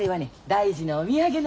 大事なお土産なの。